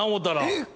えっ！